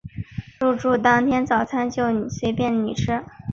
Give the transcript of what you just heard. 入住当天早餐就随便你吃